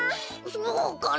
そうかな。